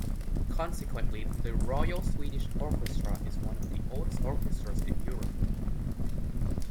Consequently, the Royal Swedish Orchestra is one of the oldest orchestras in Europe.